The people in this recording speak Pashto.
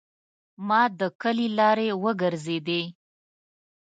ما د کلي لارې وګرځیدې.